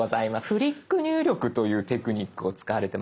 「フリック入力」というテクニックを使われてましたよね。